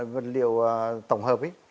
vật liệu tổng hợp